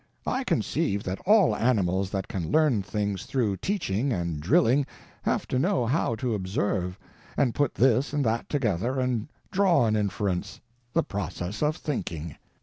I conceive that all animals that can learn things through teaching and drilling have to know how to observe, and put this and that together and draw an inference—the process of thinking.